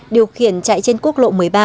điều khiển chạy trên quốc lộ một mươi ba